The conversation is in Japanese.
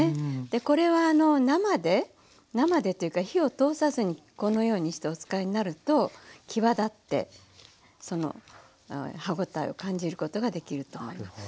でこれは生で生でというか火を通さずにこのようにしてお使いになると際立ってその歯応えを感じることができると思います。